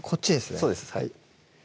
そうです